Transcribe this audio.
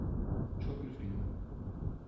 Çok üzgünüm.